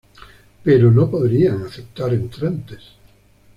Pero no podrían aceptar entrantes.